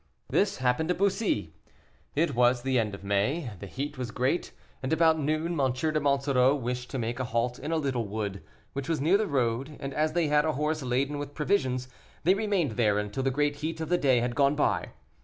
This happened to Bussy. It was the end of May, the heat was great, and about noon M. de Monsoreau wished to make a halt in a little wood, which was near the road, and as they had a horse laden with provisions, they remained there until the great heat of the day had gone by.